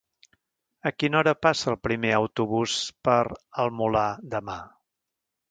A quina hora passa el primer autobús per el Molar demà?